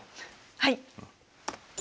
はい。